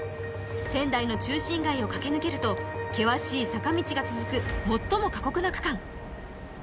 仙台の中心街を駆け抜けると激しい坂道が続く最も過酷な区間。